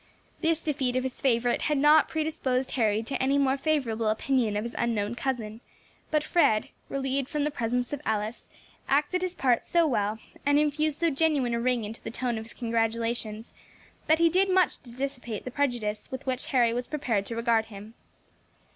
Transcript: This defeat of his favourite had not predisposed Harry to any more favourable opinion of his unknown cousin; but Fred, relieved from the presence of Alice, acted his part so well, and infused so genuine a ring into the tone of his congratulations, that he did much to dissipate the prejudice with which Harry was prepared to regard him.